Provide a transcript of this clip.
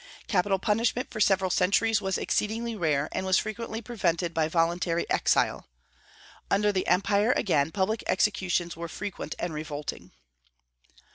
Capital punishment for several centuries was exceedingly rare, and was frequently prevented by voluntary exile. Under the empire, again, public executions were frequent and revolting.